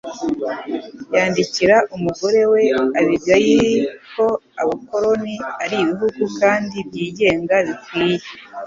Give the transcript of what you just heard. yandikira umugore we Abigayili ko abakoloni ari ibihugu kandi byigenga bikwiye